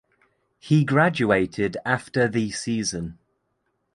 He graduated after the season.